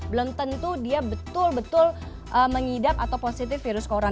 belum tentu dia betul betul mengidap atau positif virus corona